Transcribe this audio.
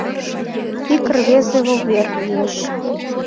Ик рвезе вувер лиеш.